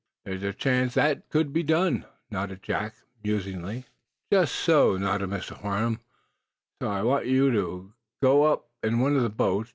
"There's a chance that that could be done," nodded Jack, musingly. "Jest so," nodded Mr. Farnum. "So I want you to go up in one of the boats.